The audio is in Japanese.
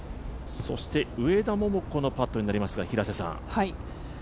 上田桃子のパットになりますが。